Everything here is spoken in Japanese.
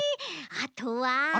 あとは？